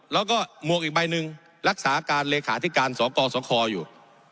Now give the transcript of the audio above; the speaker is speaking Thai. แล้วก็หมวกอีกใบหนึ่งรักษาการเลขาธิการสกสคอยู่